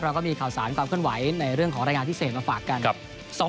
ก็มีข่าวสารความเคลื่อนไหวในเรื่องของรายงานพิเศษมาฝากกัน